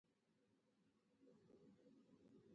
دوستی تعهد وکړ.